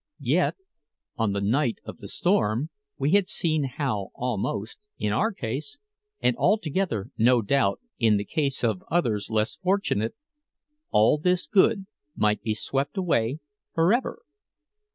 Yet on the night of the storm we had seen how almost, in our case and altogether, no doubt, in the case of others less fortunate all this good might be swept away for ever.